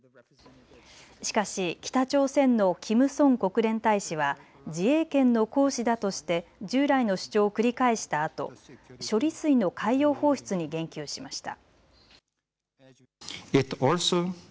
しかし北朝鮮のキム・ソン国連大使は自衛権の行使だとして従来の主張を繰り返したあと、処理水の海洋放出に言及しました。